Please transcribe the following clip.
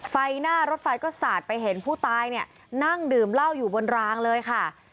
ไฟหน้ารถไฟก็สาดไปเห็นผู้ตายเนี่ยนั่งดื่มเหล้าอยู่บนรางเลยค่ะ